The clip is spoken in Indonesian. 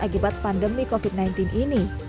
akibat pandemi covid sembilan belas ini